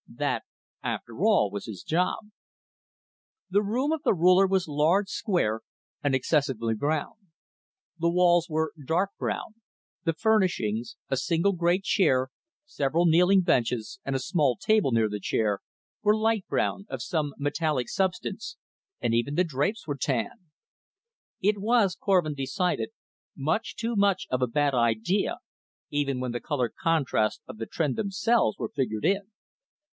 That, after all, was his job. The Room of the Ruler was large, square and excessively brown. The walls were dark brown, the furnishings a single great chair, several kneeling benches and a small table near the chair were light brown, of some metallic substance, and even the drapes were tan. It was, Korvin decided, much too much of a bad idea, even when the color contrast of the Tr'en themselves were figured in.